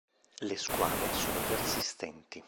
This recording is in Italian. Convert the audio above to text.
Le squame sono persistenti.